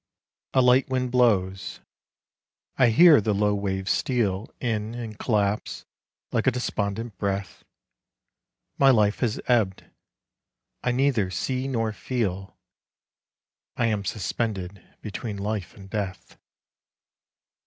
A light wind blows.... I hear the low wave steal In and collapse like a despondent breath. My life has ebbed: I neither see nor feel: I am suspended between life and death.